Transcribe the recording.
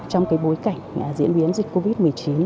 trong cái bối cảnh diễn biến dịch covid một mươi chín